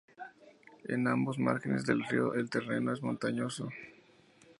En ambos márgenes del río el terreno es montañoso.